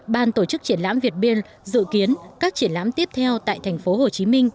đoàn tổ chức triển lãm việt build dự kiến các triển lãm tiếp theo tại thành phố hồ chí minh